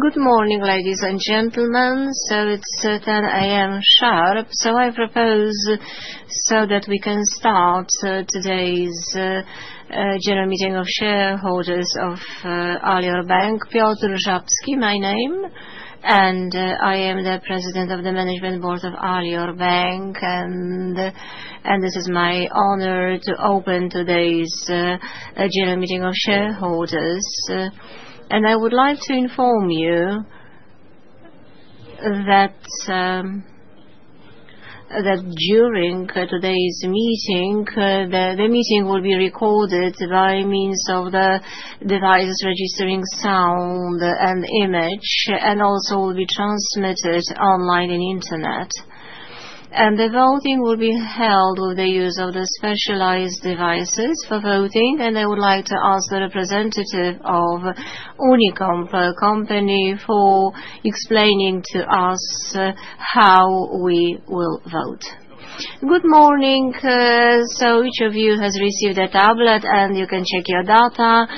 Good morning, ladies and gentlemen. It's 10:00 A.M. sharp. I propose that we can start today's General Meeting of Shareholders of Alior Bank. Piotr Żabski my name, and I am the President of the Management Board of Alior Bank. This is my honor to open today's General Meeting of Shareholders. I would like to inform you that during today's meeting, the meeting will be recorded by means of the devices registering sound and image, and also will be transmitted online and internet. The voting will be held with the use of the specialized devices for voting. I would like to ask the representative of Unicomp Company for explaining to us how we will vote. Good morning. Each of you has received a tablet, and you can check your data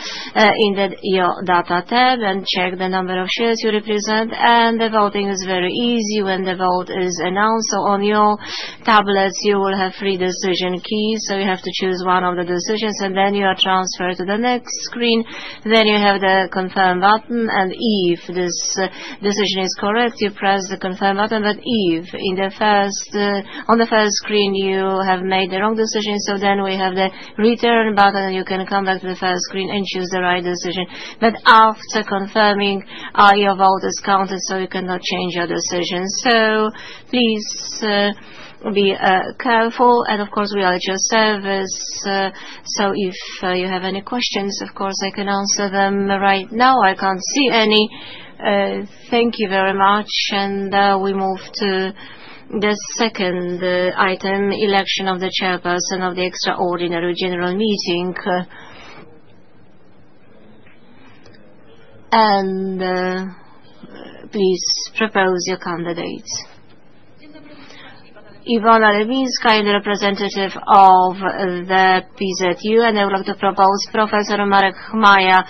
in your data tab and check the number of shares you represent. And the voting is very easy when the vote is announced. So on your tablets, you will have three decision keys. So you have to choose one of the decisions, and then you are transferred to the next screen. Then you have the confirm button, and if this decision is correct, you press the confirm button. But if on the first screen you have made the wrong decision, so then we have the return button, and you can come back to the first screen and choose the right decision. But after confirming, your vote is counted, so you cannot change your decision. So please be careful. And of course, we are at your service. So if you have any questions, of course, I can answer them right now. I can't see any. Thank you very much. And we move to the second item, election of the chairperson of the Extraordinary g-General Meeting. And please propose your candidates. Iwona Rybińska, I am the representative of the PZU, and I would like to propose Professor Marek Chmaj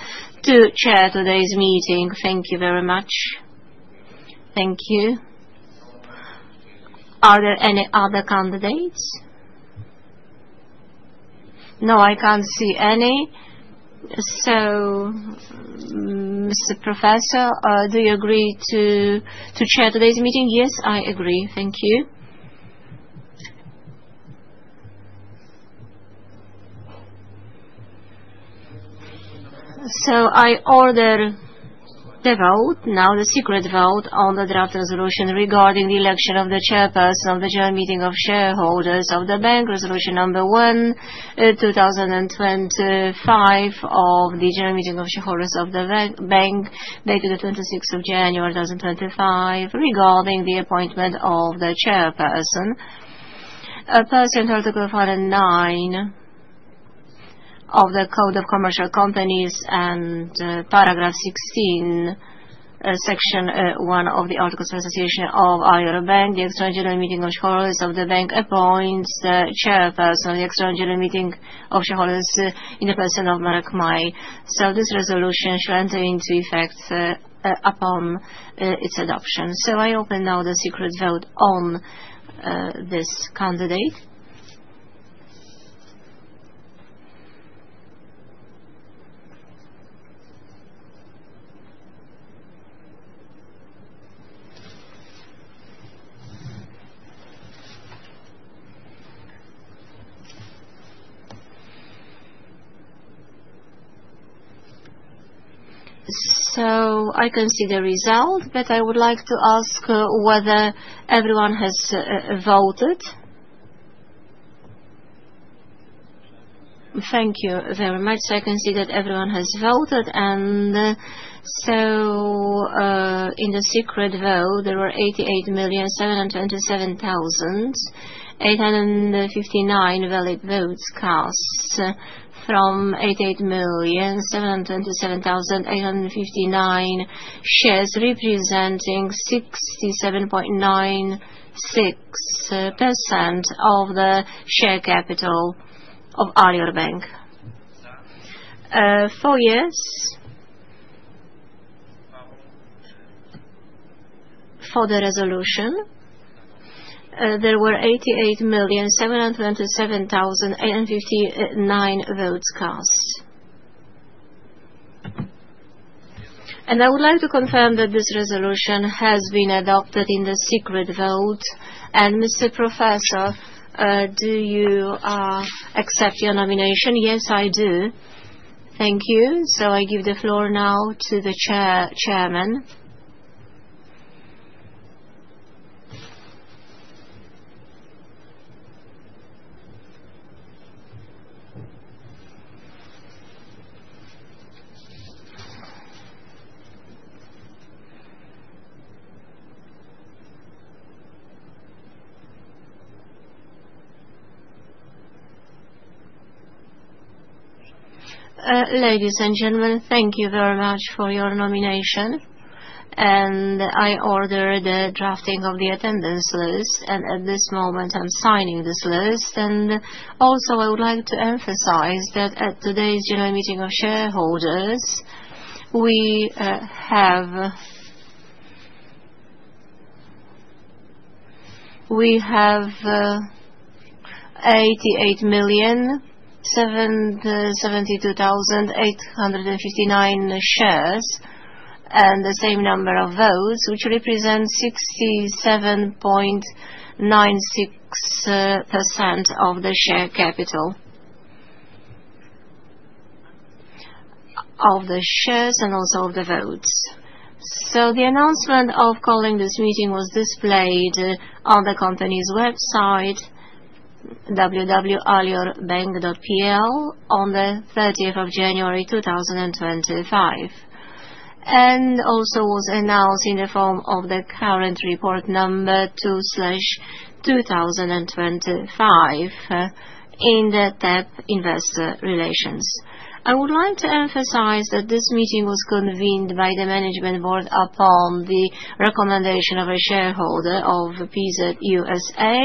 to chair today's meeting. Thank you very much. Thank you. Are there any other candidates? No, I can't see any. So Mr. Professor, do you agree to chair today's meeting? Yes, I agree. Thank you. So I order the vote, now the secret vote on the draft resolution regarding the election of the chairperson of the general meeting of shareholders of the bank, resolution number 1/2025, of the general meeting of shareholders of the bank dated the 26th of January, 2025, regarding the appointment of the chairperson. Per Article 409 of the Code of Commercial Companies and paragraph 16, section one of the Articles of Association of Alior Bank, the extraordinary meeting of shareholders of the bank appoints the chairperson of the extraordinary meeting of shareholders in the person of Marek Chmaj, so this resolution shall enter into effect upon its adoption, so I open now the secret vote on this candidate, so I can see the result, but I would like to ask whether everyone has voted. Thank you very much, so I can see that everyone has voted, and so in the secret vote, there were 88,727,859 valid votes cast from 88,727,859 shares representing 67.96% of the share capital of Alior Bank. For the resolution, there were 88,727,859 votes cast, and I would like to confirm that this resolution has been adopted in the secret vote, and Mr. Professor, do you accept your nomination? Yes, I do. Thank you. So I give the floor now to the chairman. Ladies and gentlemen, thank you very much for your nomination. And I order the drafting of the attendance list. And at this moment, I'm signing this list. And also, I would like to emphasize that at today's general meeting of shareholders, we have 88,772,859 shares and the same number of votes, which represents 67.96% of the share capital of the shares and also of the votes. So the announcement of calling this meeting was displayed on the company's website, www.aliorbank.pl, on the 30th of January, 2025, and also was announced in the form of the current report number 2/2025 in the tab Investor Relations. I would like to emphasize that this meeting was convened by the Management Board upon the recommendation of a shareholder of PZU S.A.,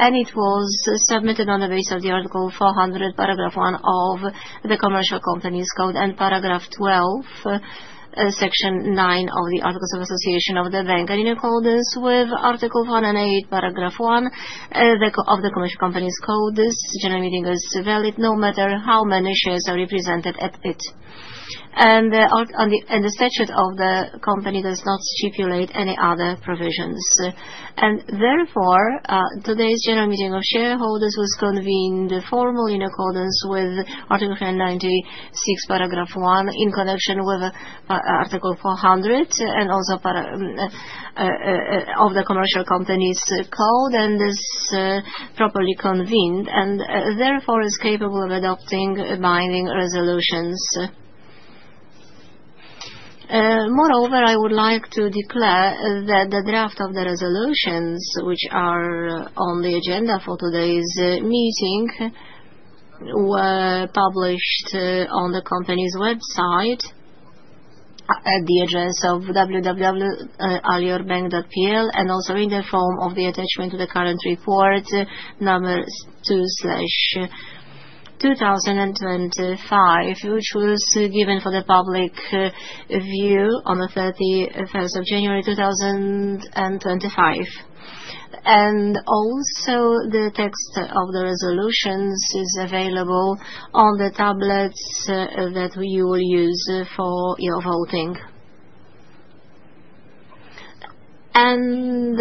and it was submitted on the basis of article 400, paragraph one of the Commercial Companies Code and paragraph 12, section nine of the Articles of Association of the Bank. In accordance with article 108, paragraph one of the Commercial Companies Code, this general meeting is valid no matter how many shares are represented at it. The statute of the company does not stipulate any other provisions. Therefore, today's general meeting of shareholders was convened formally in accordance with article 396, paragraph one, in connection with article 400 and also of the Commercial Companies Code. This properly convened and therefore is capable of adopting binding resolutions. Moreover, I would like to declare that the draft of the resolutions, which are on the agenda for today's meeting, were published on the company's website at the address of www.aliorbank.pl and also in the form of the attachment to the current report number 2/2025, which was given for the public view on the 31st of January, 2025, and also, the text of the resolutions is available on the tablets that you will use for your voting, and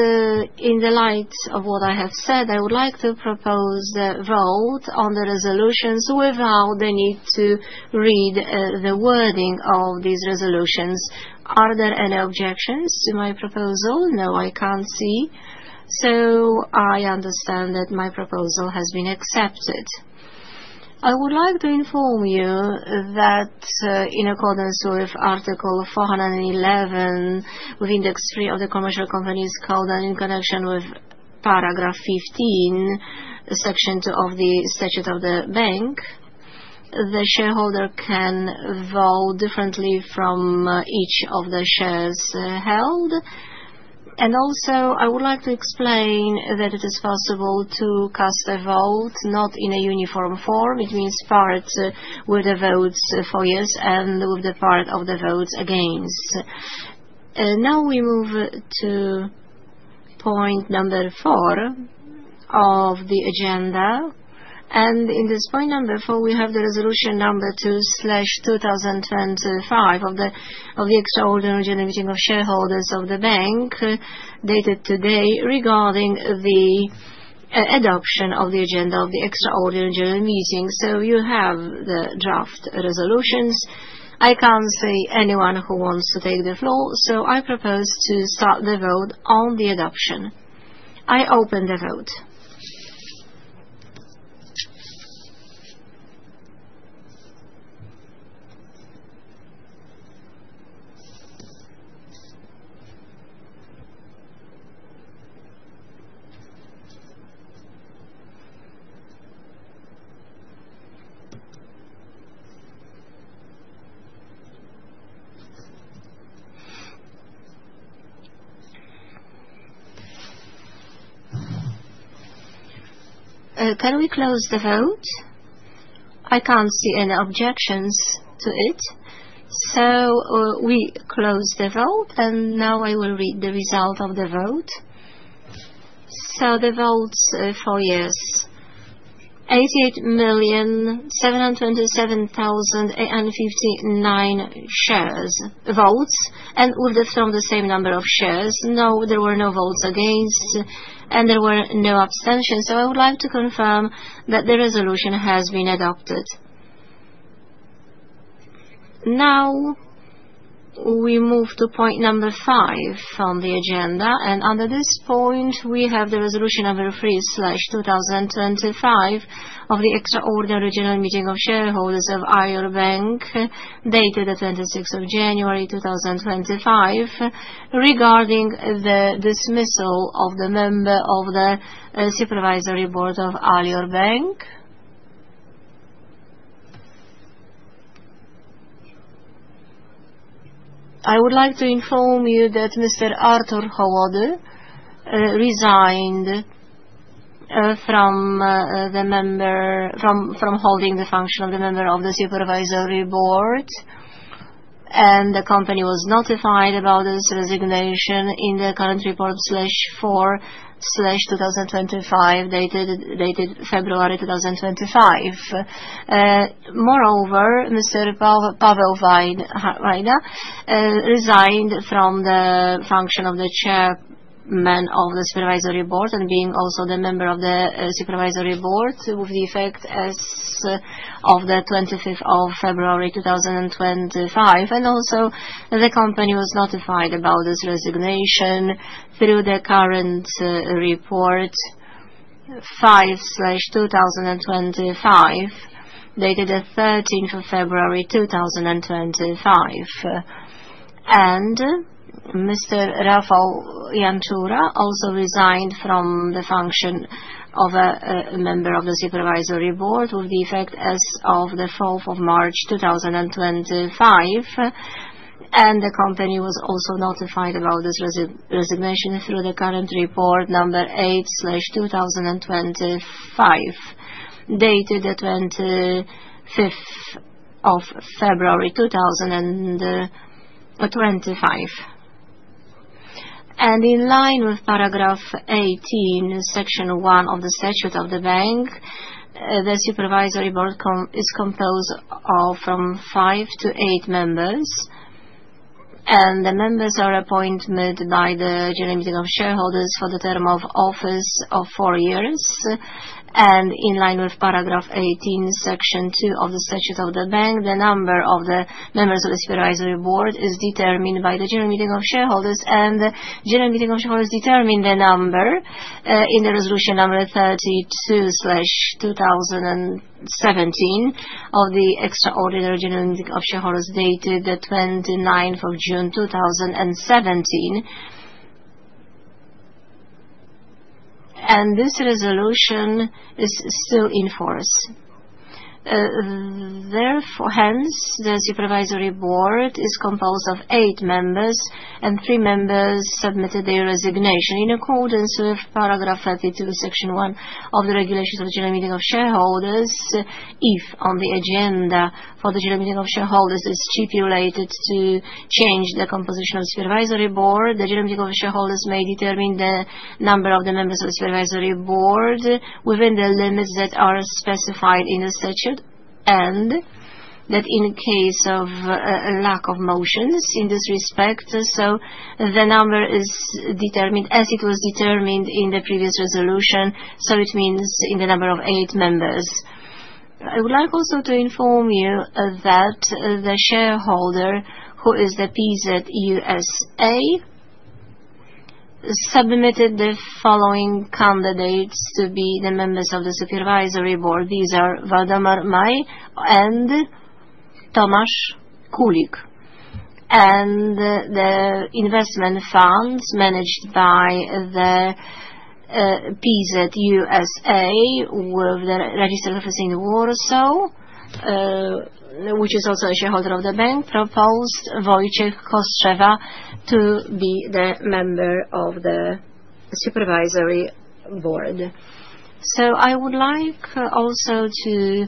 in the light of what I have said, I would like to propose a vote on the resolutions without the need to read the wording of these resolutions. Are there any objections to my proposal? No, I can't see, so I understand that my proposal has been accepted. I would like to inform you that in accordance with Article 411 with index three of the Commercial Companies Code and in connection with paragraph 15, section two of the statute of the bank, the shareholder can vote differently from each of the shares held, and also I would like to explain that it is possible to cast a vote not in a uniform form. It means part with the votes for yes and with the part of the votes against. Now we move to point number four of the agenda, and in this point number four, we have the resolution number 2/2025 of the extraordinary general meeting of shareholders of the bank dated today regarding the adoption of the agenda of the extraordinary general meeting, so you have the draft resolutions. I can't see anyone who wants to take the floor, so I propose to start the vote on the adoption. I open the vote. Can we close the vote? I can't see any objections to it. So we close the vote. And now I will read the result of the vote. So the votes for yes: 88,727,859 votes and with the same number of shares. No, there were no votes against, and there were no abstentions. So I would like to confirm that the resolution has been adopted. Now we move to point number 5 on the agenda. And under this point, we have the resolution number 3/2025 of the Extraordinary General Meeting of shareholders of Alior Bank dated the 26th of January, 2025, regarding the dismissal of the member of the Supervisory Board of Alior Bank. I would like to inform you that Mr. Artur Chołody resigned from holding the function of the member of the Supervisory Board, and the company was notified about his resignation in the current report 4/2025 dated February 2025. Moreover, Mr. Paweł Wajda resigned from the function of the chairman of the Supervisory Board and being also the member of the Supervisory Board with the effect as of the 25th of February, 2025. And also, the company was notified about his resignation through the current report 5/2025 dated the 13th of February, 2025. And Mr. Rafał Jantura also resigned from the function of a member of the Supervisory Board with the effect as of the 4th of March, 2025. And the company was also notified about his resignation through the current report number 8/2025 dated the 25th of February, 2025. In line with paragraph 18, section one of the statute of the bank, the Supervisory Board is composed of five to eight members. The members are appointed by the General Meeting of Shareholders for the term of office of four years. In line with paragraph 18, section 2 of the statute of the bank, the number of the members of the Supervisory Board is determined by the General Meeting of Shareholders. The General Meeting of Shareholders determined the number in the resolution number 32/2017 of the Extraordinary General Meeting of Shareholders dated the 29th of June, 2017. This resolution is still in force. Therefore, hence, the Supervisory Board is composed of eight members, and three members submitted their resignation in accordance with paragraph 32, section one of the regulations of the General Meeting of Shareholders. If on the agenda for the general meeting of shareholders is stipulated to change the composition of the Supervisory Board, the general meeting of shareholders may determine the number of the members of the Supervisory Board within the limits that are specified in the statute, and that in case of lack of motions in this respect, so the number is determined as it was determined in the previous resolution, so it means in the number of eight members. I would like also to inform you that the shareholder who is the PZU S.A. submitted the following candidates to be the members of the Supervisory Board. These are Waldemar Maj and Tomasz Kulik, and the investment funds managed by the PZU S.A. with the registered office in Warsaw, which is also a shareholder of the bank, proposed Wojciech Kostrzewa to be the member of the Supervisory Board. I would like also to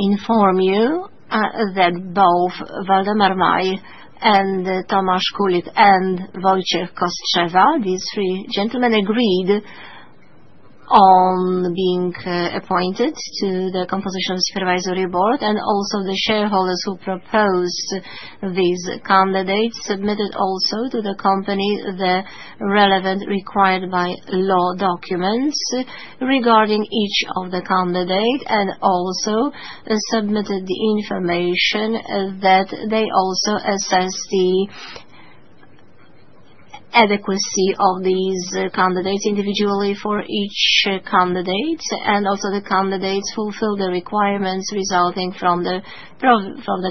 inform you that both Waldemar Maj and Tomasz Kulik and Wojciech Kostrzewa, these three gentlemen, agreed on being appointed to the composition of the Supervisory Board. And also, the shareholders who proposed these candidates submitted also to the company the relevant required by law documents regarding each of the candidates and also submitted the information that they also assessed the adequacy of these candidates individually for each candidate. And also, the candidates fulfilled the requirements resulting from the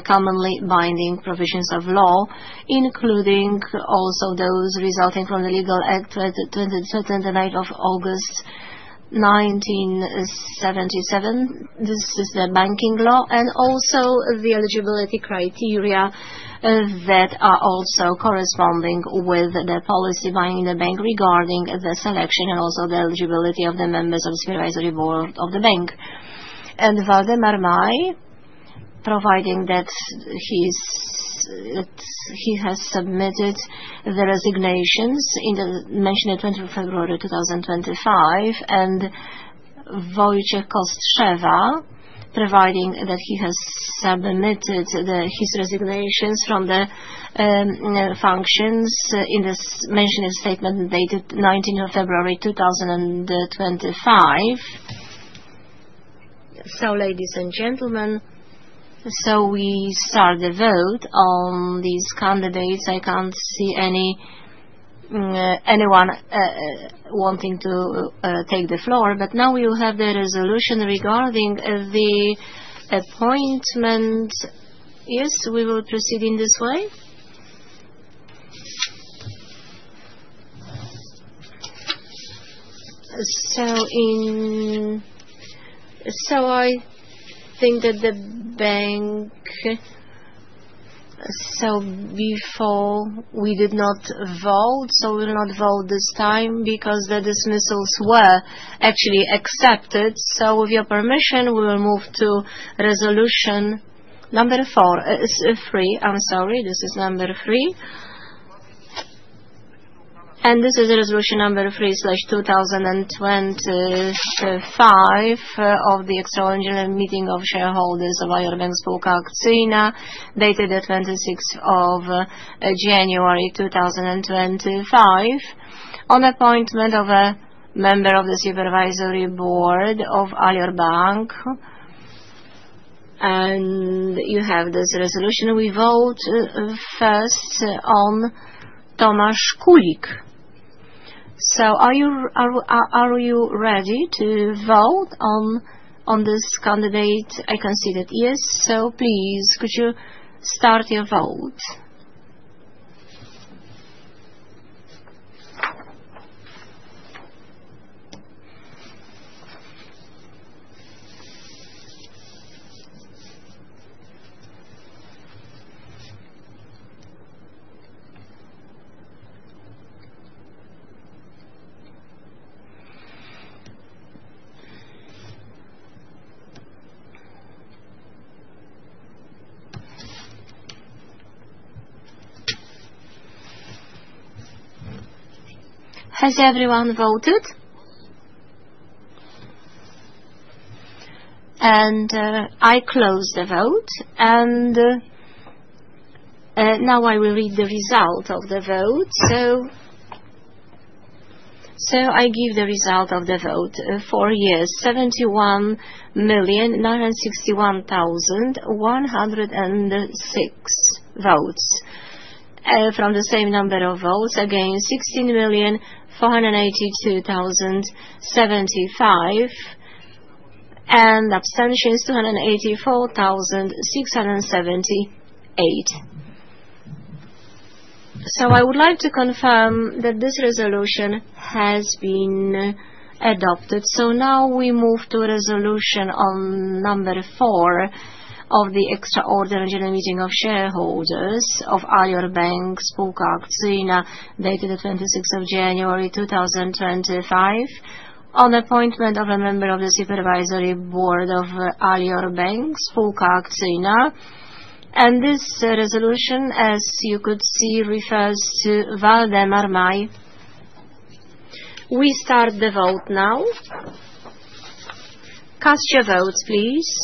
commonly binding provisions of law, including also those resulting from the legal act of August 29, 1997. This is the Banking Law and also the eligibility criteria that are also corresponding with the policy binding the bank regarding the selection and also the eligibility of the members of the Supervisory Board of the bank. Waldemar Maj, providing that he has submitted the resignations in the mentioned 20th of February, 2025, and Wojciech Kostrzewa, providing that he has submitted his resignations from the functions in the mentioned statement dated 19th of February, 2025. So, ladies and gentlemen, so we start the vote on these candidates. I can't see anyone wanting to take the floor, but now we will have the resolution regarding the appointment. Yes, we will proceed in this way. So I think that the bank, so before we did not vote, so we will not vote this time because the dismissals were actually accepted. So with your permission, we will move to resolution number three. I'm sorry, this is number three. And this is resolution number 3/2025 of the Extraordinary General Meeting of shareholders of Alior Bank Spółka Akcyjna dated the 26th of January, 2025, on appointment of a member of the Supervisory Board of Alior Bank. And you have this resolution. We vote first on Tomasz Kulik. So are you ready to vote on this candidate? I can see that yes. So please, could you start your vote? Has everyone voted? And I close the vote. And now I will read the result of the vote. So I give the result of the vote: 4 years, 71,961,106 votes from the same number of votes. Again, 16,482,075 and abstentions, 284,678. So I would like to confirm that this resolution has been adopted. Now we move to resolution on number 4 of the Extraordinary General Meeting of shareholders of Alior Bank Spółka Akcyjna dated the 26th of January, 2025, on appointment of a member of the Supervisory Board of Alior Bank Spółka Akcyjna. And this resolution, as you could see, refers to Waldemar Maj. We start the vote now. Cast your votes, please.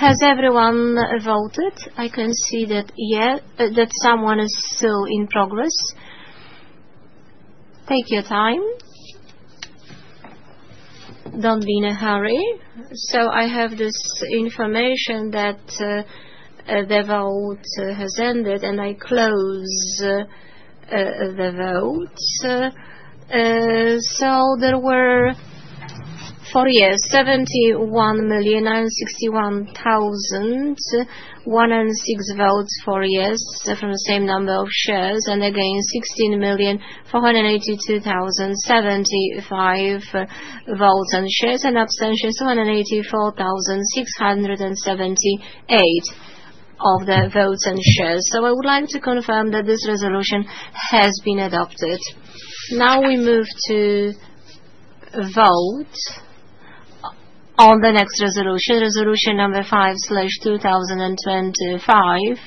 Has everyone voted? I can see that someone is still in progress. Take your time. Don't be in a hurry. So I have this information that the vote has ended, and I close the vote. So there were for 71,961,106 votes for from the same number of shares. And against 16,482,075 votes and shares and abstentions, 284,678 of the votes and shares. So I would like to confirm that this resolution has been adopted. Now we move to vote on the next resolution, resolution number 5/2025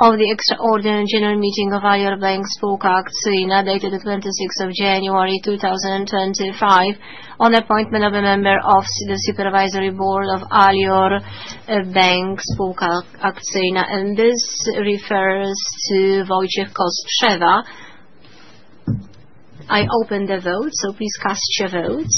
of the Extraordinary General Meeting of Alior Bank Spółka Akcyjna dated the 26th of January, 2025, on appointment of a member of the Supervisory Board of Alior Bank Spółka Akcyjna. And this refers to Wojciech Kostrzewa. I open the vote, so please cast your votes.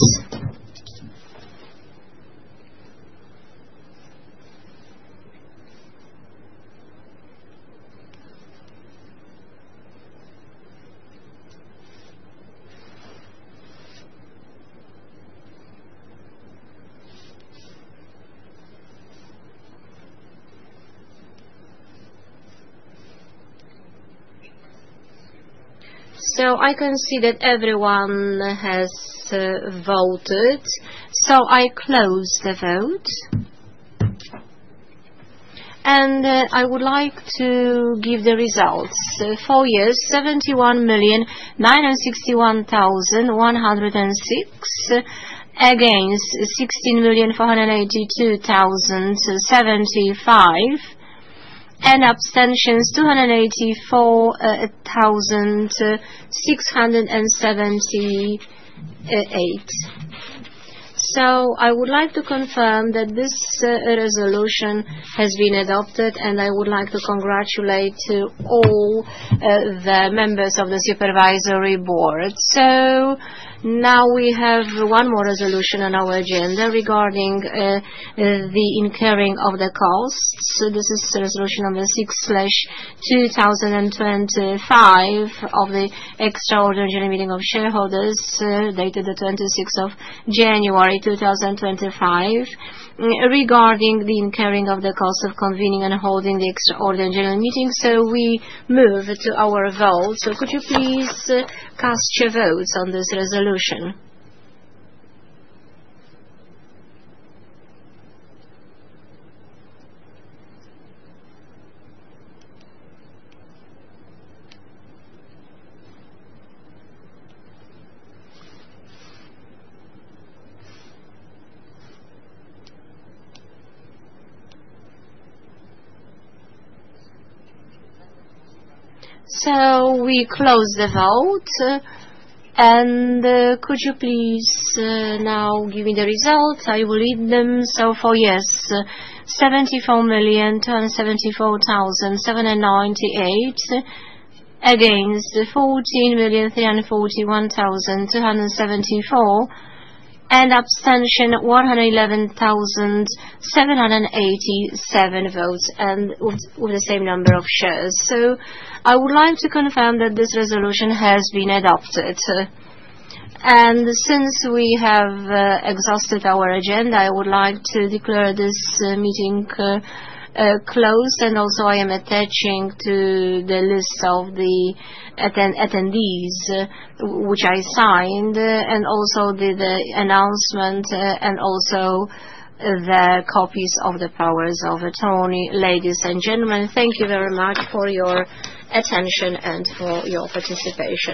So I can see that everyone has voted. So I close the vote. And I would like to give the results: for 71,961,106, against 16,482,075, and abstentions, 284,678. So I would like to confirm that this resolution has been adopted, and I would like to congratulate all the members of the Supervisory Board. So now we have one more resolution on our agenda regarding the incurring of the costs. This is resolution number 6/2025 of the Extraordinary General Meeting of shareholders dated the 26th of January, 2025, regarding the incurring of the cost of convening and holding the Extraordinary General Meeting. So we move to our vote. So could you please cast your votes on this resolution? So we close the vote. And could you please now give me the results? I will read them. So for yes, 74,274,798, against 14,341,274, and abstention, 111,787 votes, and with the same number of shares. So I would like to confirm that this resolution has been adopted. And since we have exhausted our agenda, I would like to declare this meeting closed. And also, I am attaching to the list of the attendees, which I signed, and also the announcement, and also the copies of the powers of attorney. Ladies and gentlemen, thank you very much for your attention and for your participation.